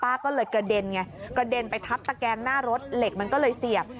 ก็เลยกระเด็นไงกระเด็นไปทับตะแกงหน้ารถเหล็กมันก็เลยเสียบ